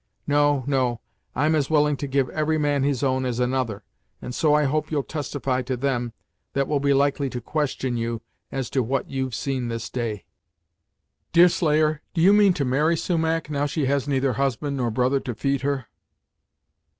No no I'm as willing to give every man his own as another, and so I hope you'll testify to them that will be likely to question you as to what you've seen this day." "Deerslayer, do you mean to marry Sumach, now she has neither husband nor brother to feed her?"